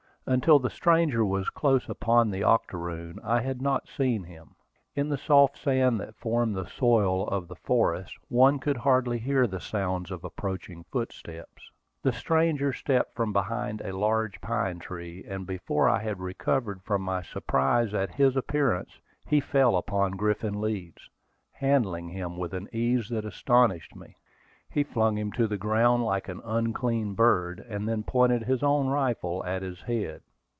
Until the stranger was close upon the octoroon, I had not seen him. In the soft sand that formed the soil of the forest, one could hardly hear the sounds of approaching footsteps. The stranger stepped from behind a large pine tree, and before I had recovered from my surprise at his appearance, he fell upon Griffin Leeds, handling him with an ease that astonished me. He flung him on the ground like an unclean bird, and then pointed his own rifle at his head.